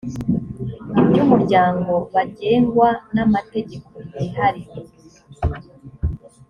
iby umuryango bagengwa n amategeko yihariye